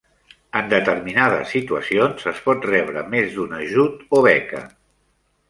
En determinades situacions es pot rebre més d'un ajut o beca.